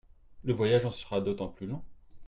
Le voyage en sera d'autant plus long.